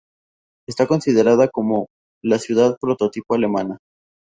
Está considerada como la ciudad prototipo alemana.